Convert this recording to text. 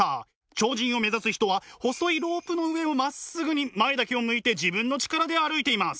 超人を目指す人は細いロープの上をまっすぐに前だけを向いて自分の力で歩いています。